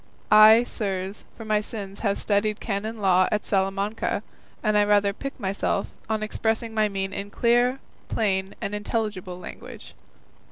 I, sirs, for my sins have studied canon law at Salamanca, and I rather pique myself on expressing my meaning in clear, plain, and intelligible language."